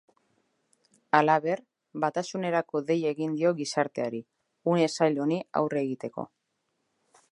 Halaber, batasunerako deia egin dio gizarteari, une zail honi aurre egiteko.